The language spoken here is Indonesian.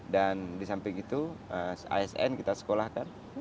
dan di samping itu asn kita sekolahkan